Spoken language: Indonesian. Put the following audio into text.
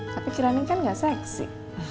tapi kirani kan gak seksi